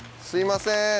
すみません。